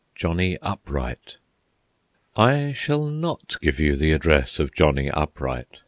JOHNNY UPRIGHT I shall not give you the address of Johnny Upright.